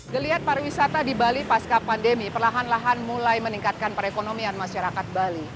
geliat pariwisata di bali pasca pandemi perlahan lahan mulai meningkatkan perekonomian masyarakat bali